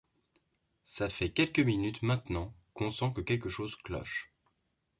Ça fait quelques minutes maintenant qu'on sent que quelque chose cloche.